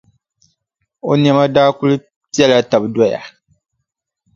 O nɛma daa kuli pela taba doya.